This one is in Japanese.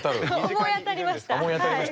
思い当たりましたはい。